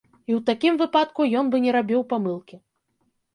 І ў такім выпадку, ён бы не рабіў памылкі.